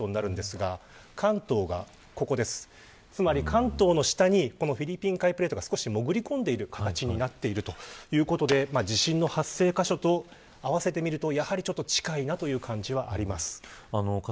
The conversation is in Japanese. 関東の下にフィリピン海プレートが潜り込んでいる形になっているということで地震の発生箇所と合わせてみると近いなという感じはあります。